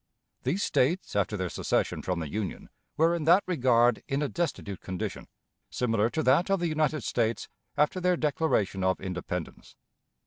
These States, after their secession from the Union, were in that regard in a destitute condition, similar to that of the United States after their Declaration of Independence.